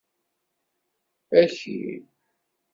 Aki!